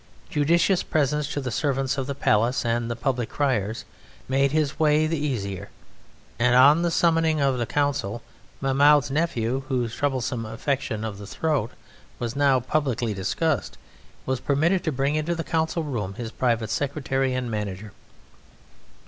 Judicious presents to the servants of the palace and the public criers made his way the easier, and on the summoning of the council Mahmoud's Nephew, whose troublesome affection of the throat was now publicly discussed, was permitted to bring into the council room his private secretary and manager.